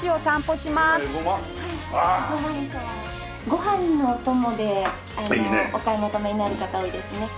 ご飯のお供でお買い求めになる方多いですね。